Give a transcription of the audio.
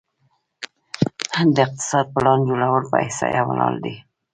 د اقتصاد پلان جوړول په احصایه ولاړ دي؟